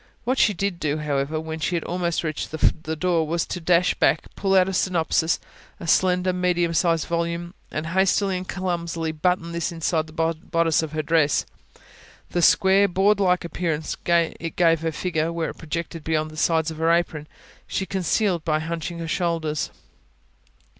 What she did do, however, when she had almost reached the door, was to dash back, pull out a synopsis [P.262] a slender, medium sized volume and hastily and clumsily button this inside the bodice of her dress. The square, board like appearance it gave her figure, where it projected beyond the sides of her apron, she concealed by hunching her shoulders.